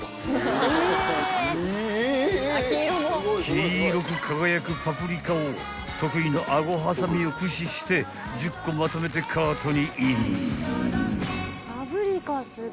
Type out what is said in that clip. ［黄色く輝くパプリカを得意のアゴ挟みを駆使して１０個まとめてカートにイン］